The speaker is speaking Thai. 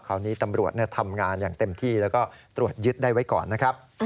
คราวนี้ตำรวจทำงานอย่างเต็มที่แล้วก็ตรวจยึดได้ไว้ก่อนนะครับ